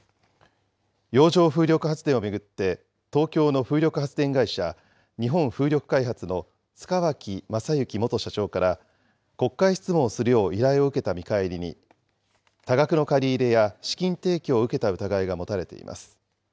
洋上風力発電を巡って、東京の風力発電会社、日本風力開発の塚脇正幸元社長から、国会質問をするよう依頼を受けた見返りに、多額の借り入れや資金提供を受けた疑いが持たれています。